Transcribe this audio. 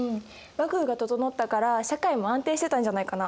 幕府が整ったから社会も安定してたんじゃないかな。